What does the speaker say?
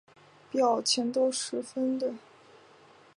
表情都十分严厉